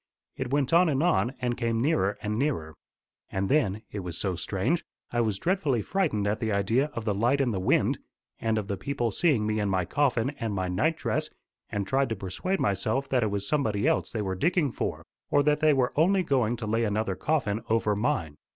It went on and on, and came nearer and nearer. And then it was so strange I was dreadfully frightened at the idea of the light and the wind, and of the people seeing me in my coffin and my night dress, and tried to persuade myself that it was somebody else they were digging for, or that they were only going to lay another coffin over mine.